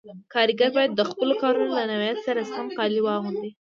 کاریګر باید د خپلو کارونو له نوعیت سره سم کالي واغوندي.